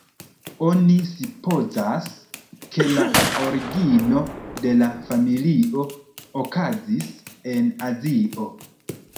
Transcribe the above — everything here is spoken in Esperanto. Oni supozas, ke la origino de la familio okazis en Azio.